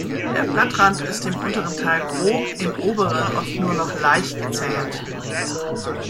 Der Blattrand ist im unteren Teil grob, im oberen oft nur noch leicht gezähnt.